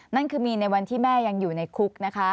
นั่นคือมีในวันที่แม่ยังอยู่ในคุกนะคะ